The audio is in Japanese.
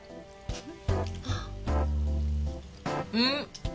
うん！